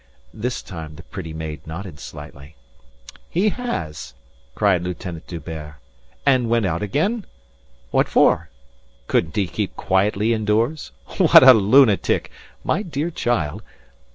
This time the pretty maid nodded slightly. "He has!" cried Lieutenant D'Hubert. "And went out again? What for? Couldn't he keep quietly indoors? What a lunatic! My dear child...."